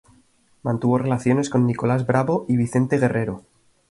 Mantuvo relaciones con Nicolás Bravo y Vicente Guerrero.